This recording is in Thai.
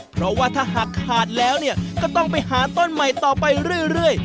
เพราะว่าถ้าหากขาดแล้วก็ต้องไปหาต้นใหม่ต่อไปเรื่อย